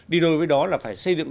đi đôi với đó là phải xây dựng